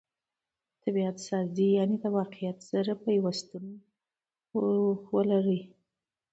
طبعت سازي؛ یعني د واقعیت سره پیوستون ولري.